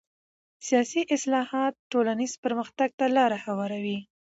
سیاسي اصلاحات ټولنیز پرمختګ ته لاره هواروي